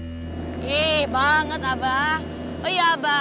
ye banget abah